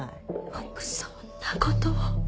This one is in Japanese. よくそんなことを。